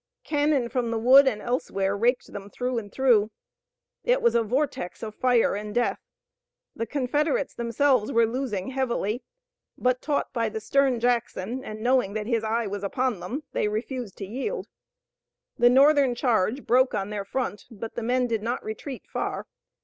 Cannon from the wood and elsewhere raked them through and through. It was a vortex of fire and death. The Confederates themselves were losing heavily, but taught by the stern Jackson and knowing that his eye was upon them they refused to yield. The Northern charge broke on their front, but the men did not retreat far.